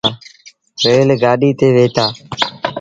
ريل گآڏيٚ تي وهيتآ۔